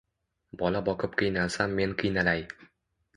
Bola boqib qiynalsam men qiynalay.